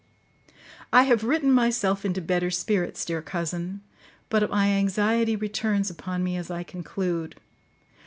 "I have written myself into better spirits, dear cousin; but my anxiety returns upon me as I conclude.